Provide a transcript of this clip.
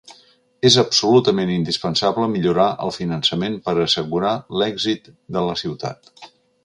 És absolutament indispensable millorar el finançament per a assegurar l’èxit de la ciutat.